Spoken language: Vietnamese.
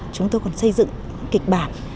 chúng tôi còn xây dựng kịch bản